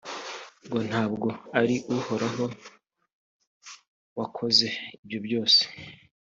ngo nta bwo ari uhoraho wakoze ibyo byose!.